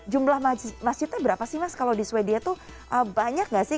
jumlah masjidnya berapa sih mas kalau di sweden itu banyak nggak sih